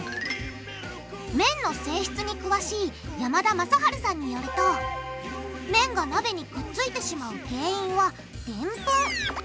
麺の性質に詳しい山田昌治さんによると麺が鍋にくっついてしまう原因はでんぷん。